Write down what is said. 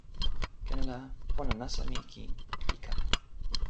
ken la pona nasa mi kin li kama.